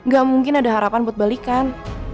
gak mungkin ada harapan buat balikan